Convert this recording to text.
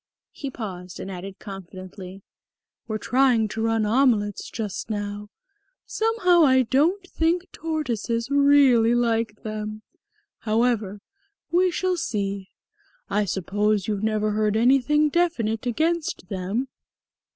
He paused and added confidently. "We're trying rum omelettes just now. Somehow I don't think tortoises really like them. However, we shall see. I suppose you've never heard anything definite against them?"